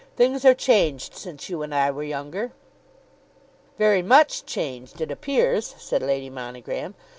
Things are changed since you and I were younger." "Very much changed, it appears," said Lady Monogram.